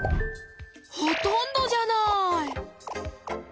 ほとんどじゃない！